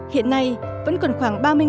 hiện nay vẫn còn khoảng ba mươi người mắc bệnh